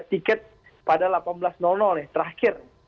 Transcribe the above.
tiket pada delapan belas ya terakhir